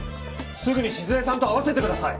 すぐに静江さんと会わせてください。